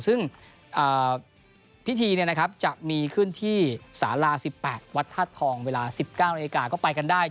ซึ่งพิธีจะมีขึ้นที่สารา๑๘วัดธาตุทองเวลา๑๙นาฬิกาก็ไปกันได้